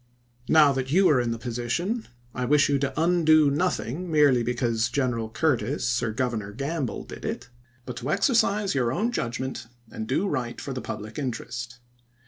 Now that you are in the position, I wish you to undo nothing merely because General Curtis or Gov ernor Gamble did it, but to exercise your own judgment, and do right for the public interest.